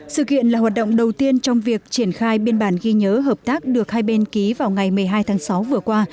sự kiện là hoạt động đầu tiên trong việc triển khai biên bản ghi nhớ hợp tác được hai bên ký vào ngày một mươi hai tháng sáu vừa qua